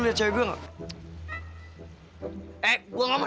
nah jangan kemana mana